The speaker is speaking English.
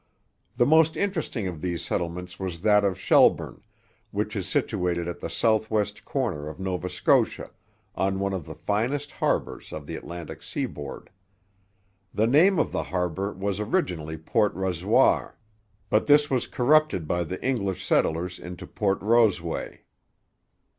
The most interesting of these settlements was that at Shelburne, which is situated at the south west corner of Nova Scotia, on one of the finest harbours of the Atlantic seaboard. The name of the harbour was originally Port Razoir, but this was corrupted by the English settlers into Port Roseway.